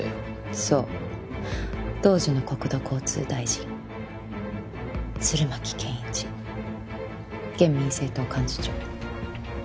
そう当時の国土交通大臣鶴巻憲一現民政党幹事長。